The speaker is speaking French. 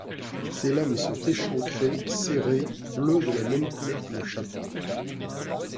Ses lames sont échancrées, serrées, bleues de la même couleur que le chapeau.